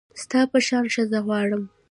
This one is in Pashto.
ستا په شان ښځه غواړم